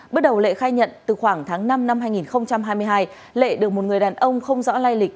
bước đầu lệ khai nhận từ khoảng tháng năm năm hai nghìn hai mươi hai lệ được một người đàn ông không rõ lai lịch